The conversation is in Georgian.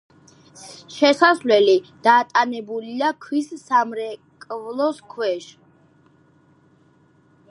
შესასვლელი დატანებულია ქვის სამრეკლოს ქვეშ.